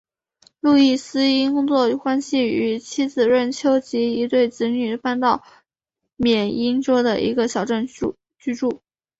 路易斯因工作关系与妻子瑞秋及一对子女搬到缅因州的一个小镇居住。